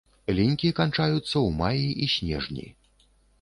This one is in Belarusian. Лінькі канчаюцца ў маі і снежні.